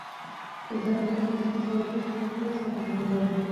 زه اوس خپله ځان ورسره بلدوم.